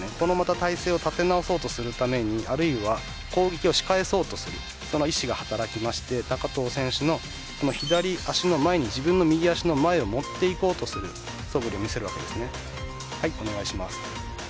￥体勢を立て直そうとするためにあるいは攻撃をし返そうとするこの意識が働いて高藤選手の左足の前に自分の右足を持っていこうとするそぶりを見せます。